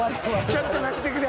ちょっと待ってくれ。